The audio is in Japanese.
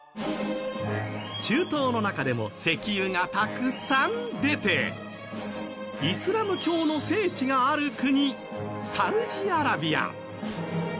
中東の中でも石油がたくさん出てイスラム教の聖地がある国サウジアラビア。